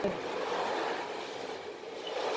চলে যেওনা বাবা, আমার কথা এখনো শেষ হয় নি।